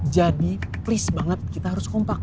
jadi please banget kita harus kompak